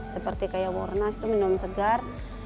seperti kayak wornas itu minum segar